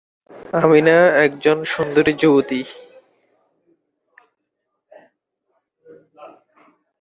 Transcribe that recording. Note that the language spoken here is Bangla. আমিনা একজন সুন্দরী যুবতী।